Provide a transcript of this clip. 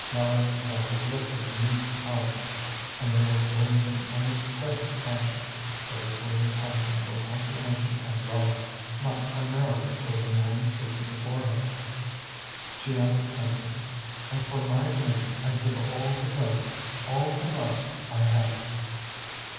Mélanie's eyes lifted to meet Aleck's, and they were full of an almost tragic passion; but it was a passion for comprehension and love, not primarily for the man sitting before her. She added simply: "And for my dream I'd give all the wealth, all the love, I have."